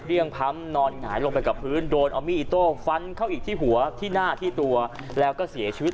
พ้ำนอนหงายลงไปกับพื้นโดนเอามีดอิโต้ฟันเข้าอีกที่หัวที่หน้าที่ตัวแล้วก็เสียชีวิต